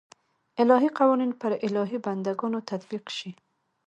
الهي قوانین پر الهي بنده ګانو تطبیق شي.